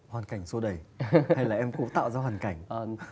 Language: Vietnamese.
hoàn cảnh sô đẩy hay là em cũng tạo ra hoàn cảnh